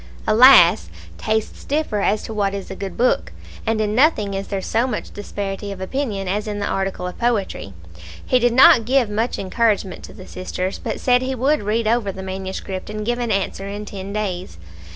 Alas! tastes differ as to what is a good book, and in nothing is there so much disparity of opinion as in the article of poetry. He did not give much encouragement to the sisters, but said he would read over the manuscript and give an answer in ten days.